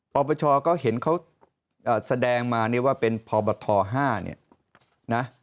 ปปชก็เห็นเขาแสดงมาเนี่ยว่าเป็นพบท๕เนี่ยนะ